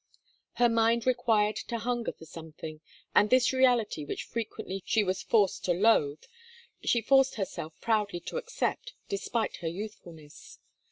Her mind required to hunger for something, and this Reality which frequently she was forced to loathe, she forced herself proudly to accept, despite her youthfulness.